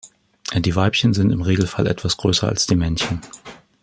Die Weibchen sind im Regelfall etwas größer als die Männchen.